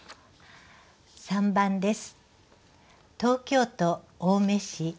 ３番です。